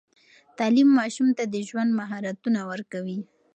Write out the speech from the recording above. تعليم ماشوم ته د ژوند مهارتونه ورکوي.